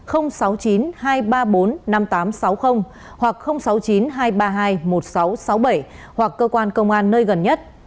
hoặc sáu mươi chín hai trăm ba mươi hai một nghìn sáu trăm sáu mươi bảy hoặc cơ quan công an nơi gần nhất